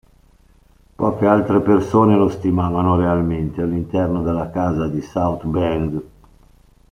Poche altre persone lo stimavano realmente all'interno della Casa di South Bend.